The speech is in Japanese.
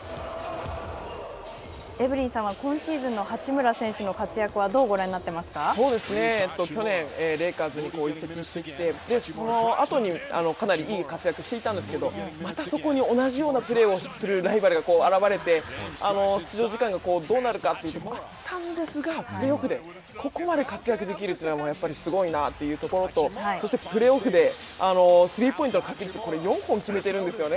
エブリンさんは今シーズンの八村選手の活躍は去年、レイカーズに移籍してきて、そのあとにかなりいい活躍をしていたんですけど、またそこに同じようなプレーをするライバルが現われて出場時間がどうなるかというところがあったんですがここまで活躍できるというのはやっぱりすごいなというところと、そしてプレーオフでスリーポイント、これ４個決めているんですよね